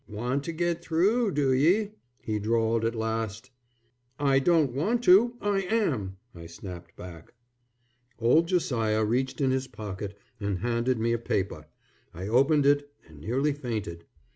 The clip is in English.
"Want to git through do ye?" he drawled at last. "I don't want to, I am," I snapped back. Old Josiah reached in his pocket and handed me a paper. I opened it and nearly fainted.